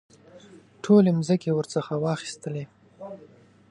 ټولې مځکې ورڅخه واخیستلې.